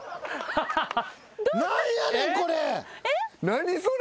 何やねんこれ！